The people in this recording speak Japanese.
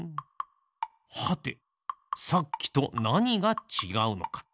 はてさっきとなにがちがうのか。